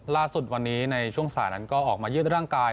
ล่าสุดวันนี้ในช่วงสายนั้นก็ออกมายืดร่างกาย